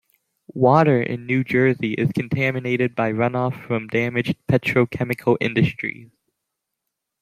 Water in New Jersey is contaminated by runoff from damaged petrochemical industries.